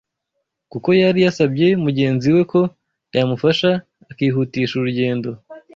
kuko yari yasabye mugenzi we ko yamufasha akihutisha urugendo